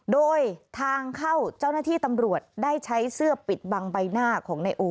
โดยทางเข้าเจ้าหน้าที่ตำรวจได้ใช้เสื้อปิดบังใบหน้าของนายโอ